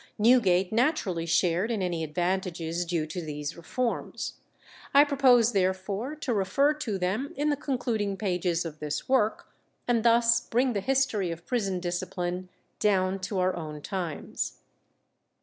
Newgate naturally shared in any advantages due to these reforms. I propose, therefore, to refer to them in the concluding pages of this work, and thus bring the history of prison discipline down to our own times.